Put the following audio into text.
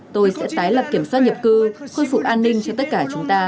tôi sẽ tái lập kiểm soát nhập cư khôi phục an ninh cho tất cả chúng ta